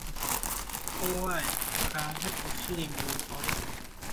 Owaaye kanve ku firimu nkole .